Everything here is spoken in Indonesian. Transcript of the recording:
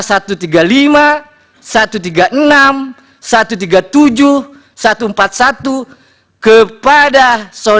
kepada saudara hasim adil